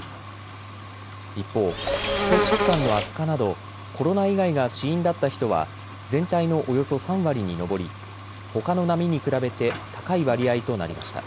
一方、基礎疾患の悪化などコロナ以外が死因だった人は全体のおよそ３割に上りほかの波に比べて高い割合となりました。